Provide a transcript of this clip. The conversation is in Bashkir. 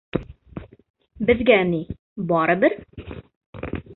Беҙгә ни... барыбер.